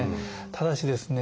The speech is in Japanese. ただしですね